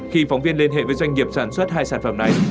khi phóng viên liên hệ với doanh nghiệp sản xuất hai sản phẩm này